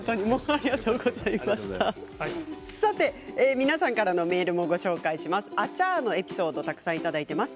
皆さんからのメールもご紹介します、こちらのエピソードをいただいています。